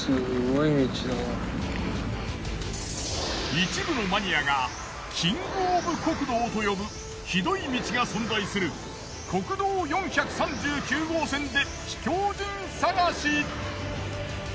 一部のマニアがキングオブ酷道と呼ぶ酷い道が存在する国道４３９号線で秘境人探し。